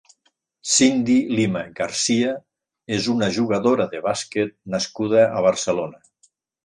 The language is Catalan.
Cindy Lima García és una jugadora de bàsquet nascuda a Barcelona.